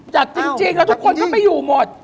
จัดจริงแล้วทุกคนก็ไม่อยู่หมด